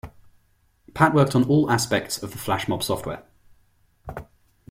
Pat worked on all aspects of the FlashMob software.